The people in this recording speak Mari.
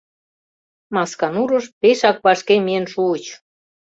Масканурыш пешак вашке миен шуыч.